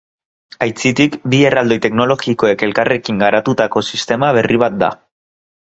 Aitzitik, bi erraldoi teknologikoek elkarrekin garatutako sistema berri bat da.